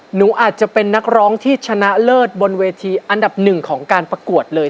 หนูอาจจะเป็นนักร้องที่ชนะเลิศบนเวทีอันดับหนึ่งของการประกวดเลย